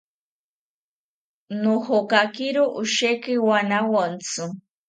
Nojokakiro osheki wanawontzi